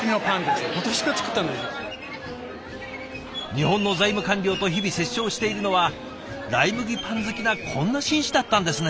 日本の財務官僚と日々折衝しているのはライ麦パン好きなこんな紳士だったんですね。